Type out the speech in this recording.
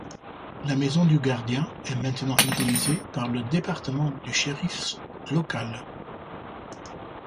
La maison du gardien est maintenant utilisée par le département du shérif local.